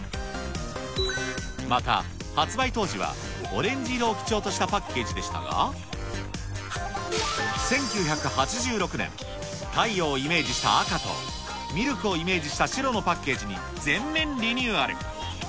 また、発売当時はオレンジ色を基調としたパッケージでしたが、１９８６年、太陽をイメージした赤と、ミルクをイメージした白のパッケージに全面リニューアル。